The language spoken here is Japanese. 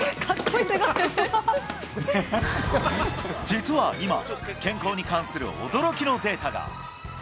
実は今、健康に関する驚きのデータが。